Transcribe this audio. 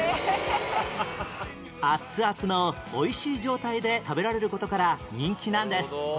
熱々の美味しい状態で食べられる事から人気なんです